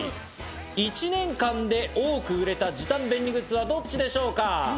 １年間で多く売れた、時短便利グッズはどっちでしょうか？